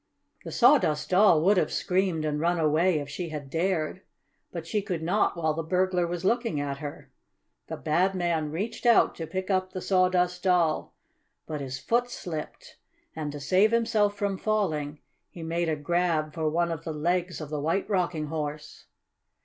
The Sawdust Doll would have screamed and run away if she had dared, but she could not while the burglar was looking at her. The bad man reached out to pick up the Sawdust Doll, but his foot slipped, and, to save himself from falling, he made a grab for one of the legs of the White Rocking Horse.